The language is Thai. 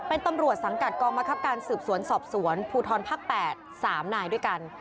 เป็นตำรวจสังกัดกองมะครับการสืบสวนสอบสวนภูทรภาค๘๓นายด้วยกัน